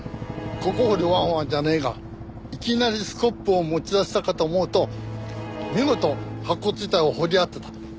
ここ掘れワンワンじゃねえがいきなりスコップを持ち出したかと思うと見事白骨遺体を掘り当てた。